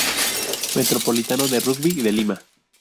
Metropolitano de Rugby de Lima